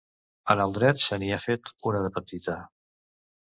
En el dret se n'hi ha fet una de petita.